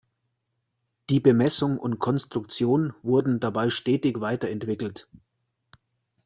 Die Bemessung und Konstruktion wurden dabei stetig weiterentwickelt.